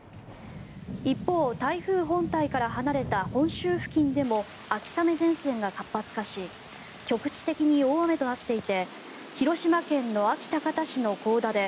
一方、台風本体から離れた本州付近でも秋雨前線が活発化し局地的に大雨となっていて広島県の安芸高田市の甲田で